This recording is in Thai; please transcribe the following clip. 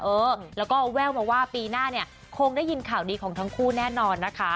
เออแล้วก็แววมาว่าปีหน้าเนี่ยคงได้ยินข่าวดีของทั้งคู่แน่นอนนะคะ